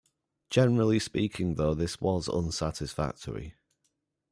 Generally speaking though, this was unsatisfactory.